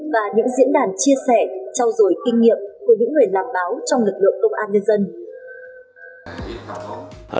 và những diễn đàn chia sẻ trao dồi kinh nghiệm của những người làm báo trong lực lượng công an nhân dân